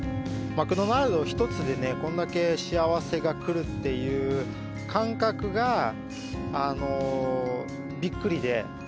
マクドナルド１つでこれだけ幸せが来るという感覚がビックリで。